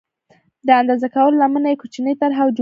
د اندازه کولو لمنه یې کوچنۍ طرحه او جوړېږي.